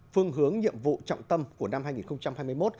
phương hướng nhiệm vụ trọng tâm của năm hai nghìn hai mươi một